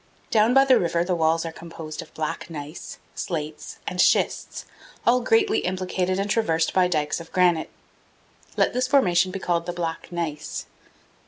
Down by the river the walls are composed of black gneiss, slates, and schists, all greatly implicated and traversed by dikes of granite. Let this formation be called the black gneiss.